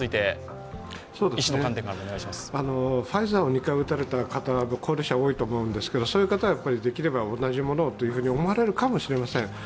ファイザーを２回打たれた高齢者は多いと思うんですけどそういう方はできれば同じものをと思われるかもしれません。